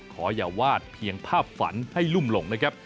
ขออย่าวาดเพียงภาพฝันให้ลุ่มหลงนะครับ